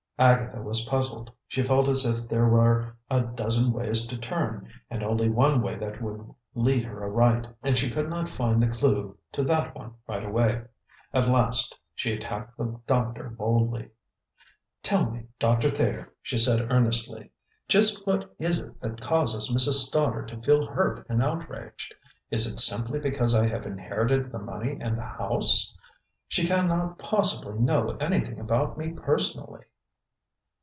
Agatha was puzzled. She felt as if there were a dozen ways to turn and only one way that would lead her aright; and she could not find the clue to that one right way. At last she attacked the doctor boldly. "Tell me, Doctor Thayer," she said earnestly, "just what it is that causes Mrs. Stoddard to feel hurt and outraged. Is it simply because I have inherited the money and the house? She can not possibly know anything about me personally."